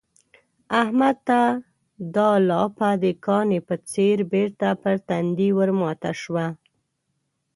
احمد ته دا لاپه د کاني په څېر بېرته پر تندي ورماته شوه.